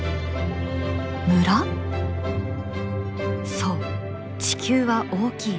そう「地球は大きい。